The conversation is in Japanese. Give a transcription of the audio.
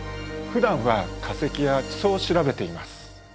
ふだんは化石や地層を調べています。